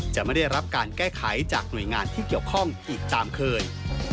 จะไม่ได้รับการแก้ไขจากหน่วยงานที่เกี่ยวข้องอีกตามเคย